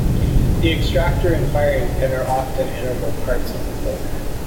The extractor and firing pin are often integral parts of the bolt.